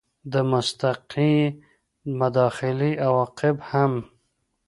د مستقیې مداخلې عواقب هم